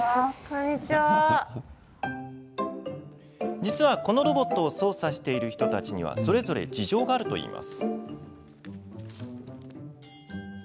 実は、このロボットを操作している人たちにはそれぞれ事情があるといいます。